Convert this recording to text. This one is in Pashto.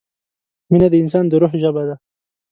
مینه د انسان د روح ژبه ده.